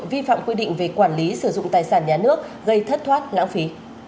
vi phạm quy định về quản lý sử dụng tài sản nhà nước gây thất thoát lãng phí